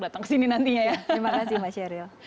datang ke sini nantinya ya terima kasih mbak sheryl